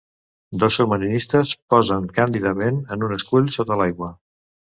Dos submarinistes posen càndidament en un escull sota l'aigua.